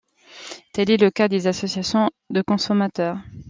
Tel est le cas des associations de consommateurs.